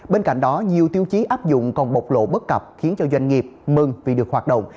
bên cạnh đó nhiều tiêu chí áp dụng còn bộc lộ bất cập khiến cho doanh nghiệp mừng vì được hoạt động